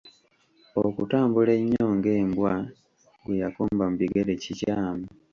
Okutambula ennyo ng’embwa gwe yakomba mu bigere kikyamu.